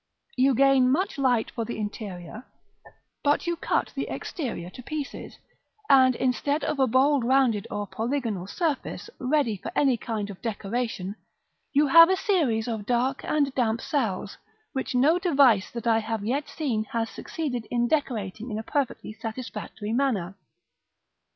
You gain much light for the interior, but you cut the exterior to pieces, and instead of a bold rounded or polygonal surface, ready for any kind of decoration, you have a series of dark and damp cells, which no device that I have yet seen has succeeded in decorating in a perfectly satisfactory manner.